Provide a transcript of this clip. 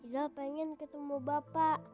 iza pengen ketemu bapak